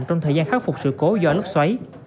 trong thời gian khắc phục sự cố do lốc xoáy